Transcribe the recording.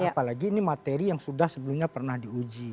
apalagi ini materi yang sudah sebelumnya pernah diuji